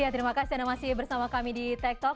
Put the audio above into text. terima kasih sudah bersama kami di tech talk